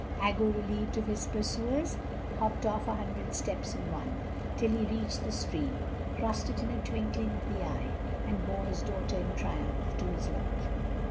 Aggo, relieved of his pursuers, hopped off a hundred steps in one, till he reached the stream, crossed it in a twinkling of the eye, and bore his daughter in triumph to his lodge.